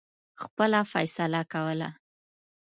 خپله فیصله کوله.